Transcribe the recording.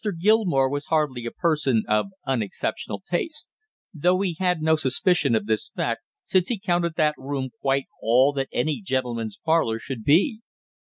Gilmore was hardly a person of unexceptional taste, though he had no suspicion of this fact, since he counted that room quite all that any gentleman's parlor should be.